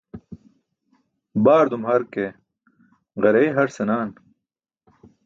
Baardum har ke ġareey har han senan.